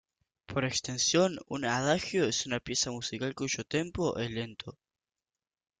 Por extensión, un "adagio" es una pieza musical cuyo tempo es lento.